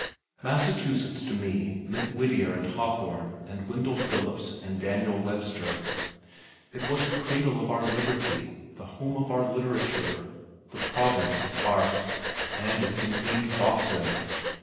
Massachusetts to me meant Whittier and Hawthorne and Wendell Phillips and Daniel Webster. It was the cradle of our liberty, the home of literature, the province of art and it contained Boston!